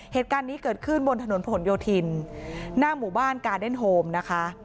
เหตุการณ์นี้เกิดขึ้นบนถนนผนโยธินหน้าหมู่บ้านกาเดนโฮมนะคะ